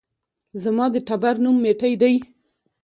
زما د ټبر نوم ميټى دى